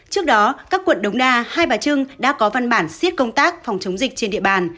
trước đó các quận đống đa hai bà trưng đã có văn bản xiết công tác phòng chống dịch trên địa bàn